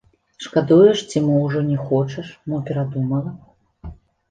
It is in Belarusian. Шкадуеш ці мо ўжо не хочаш, мо перадумала?